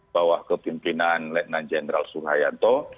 bawah kepimpinan lieutenant general surhayanto